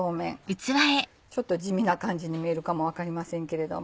ちょっと地味な感じに見えるかも分かりませんけれども。